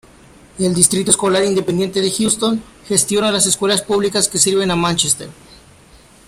El Distrito Escolar Independiente de Houston gestiona las escuelas públicas que sirven a Manchester.